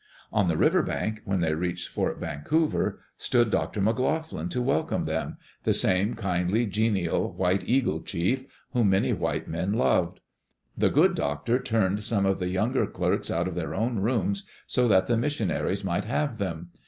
On the river bank, when they reached Fort Vancouver, stood Dr. McLoughlin to welcome them, the same kindly, genial " White Eagle Chief " whom many white men loved. The good doctor turned some of the younger clerks out of their own rooms so that the missionaries might have them.